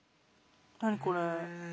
何これ？